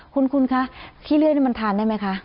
คุณคะขี้เลื่อยนี่มันทานได้ไหมคะ